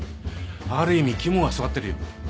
ある意味肝が据わってるよ。